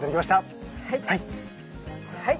はい。